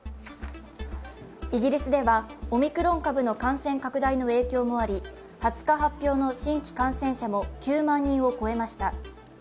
イギリスではオミクロン株の感染拡大の影響もあり２０日発表の新規感染者も９万人を超えました。